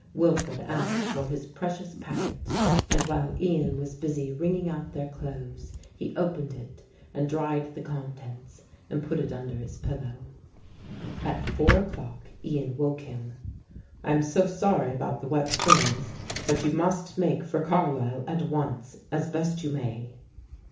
Wilfred asked for his precious packet and while Ian was busy wringing out their clothes he opened it and dried the contents and put it under his pillow. At four o'clock Ian woke him. "I am so sorry about the wet things, but you must make for Carlisle at once as best you may."